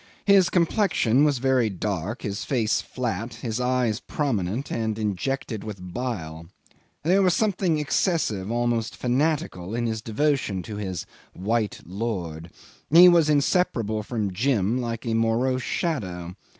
His complexion was very dark, his face flat, his eyes prominent and injected with bile. There was something excessive, almost fanatical, in his devotion to his "white lord." He was inseparable from Jim like a morose shadow.